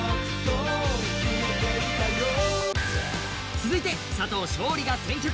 続いて佐藤勝利が選曲。